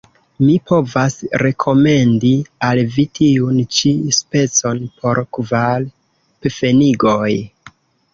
Mi povas rekomendi al vi tiun ĉi specon por kvar pfenigoj.